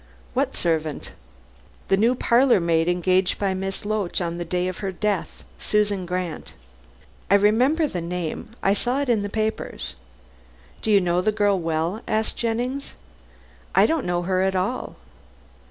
"What servant?" "The new parlor maid engaged by Miss Loach on the day of her death Susan Grant." "I remember the name. I saw it in the papers." "Do you know the girl well?" asked Jennings. "I don't know her at all."